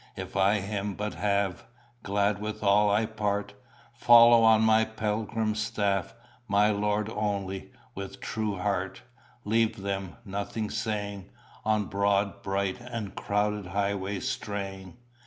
If I Him but have, Glad with all I part; Follow on my pilgrim staff My Lord only, with true heart; Leave them, nothing saying, On broad, bright, and crowded highways straying.